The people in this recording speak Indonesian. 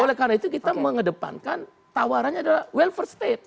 oleh karena itu kita mengedepankan tawarannya adalah welfare state